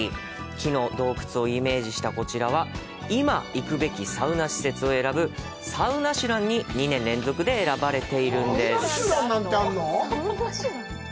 木の洞窟をイメージしたこちらは今行くべきサウナ施設を選ぶサウナシュランに２年連続で選ばれているんです。